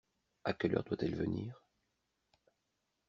À quelle heure doit-elle venir ?